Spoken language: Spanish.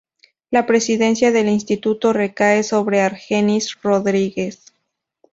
La presidencia del instituto recae sobre Argenis Rodríguez.